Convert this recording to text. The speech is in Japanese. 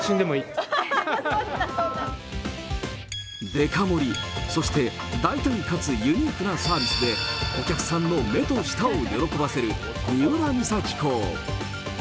デカ盛り、そして、大胆かつユニークなサービスで、お客さんの目と舌を喜ばせる三浦三崎港。